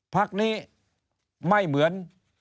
ภักดิ์นี้ไม่เหมือน